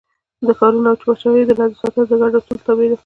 د ښارونو او پاچاهیو د نظم ساتنه د ګډو اصولو تابع ده.